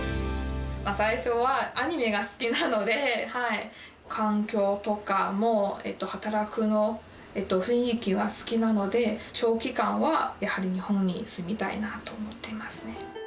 最初は、アニメが好きなので、環境とかも、働く雰囲気は好きなので、長期間は、やはり日本に住みたいなと思っていますね。